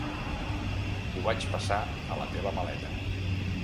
Ho vaig passar a la teva maleta.